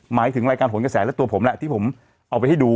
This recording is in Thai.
หมายถึงรายการหนกระแสและตัวผมแหละที่ผมเอาไปให้ดู